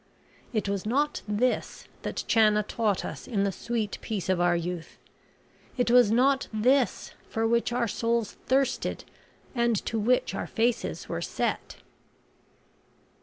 It was not this that Channa taught us in the sweet peace of our youth it was not this for which our souls thirsted, and to which our faces were set."